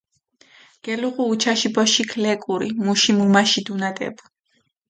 გელეღუ უჩაში ბოშიქ ლეკური მუში მუმაში დუნატებუ.